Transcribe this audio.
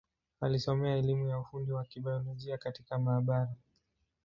Alisomea elimu ya ufundi wa Kibiolojia katika maabara.